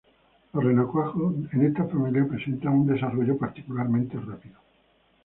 Los renacuajos en esta familia presentan un desarrollo particularmente rápido.